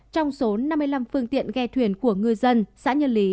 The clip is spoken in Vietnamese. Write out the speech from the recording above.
trong số năm mươi năm phương tiện ghe thuyền của ngư dân xã nhân lý